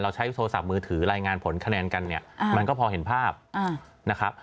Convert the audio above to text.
ใช้โทรศัพท์มือถือรายงานผลคะแนนกันเนี่ยมันก็พอเห็นภาพนะครับ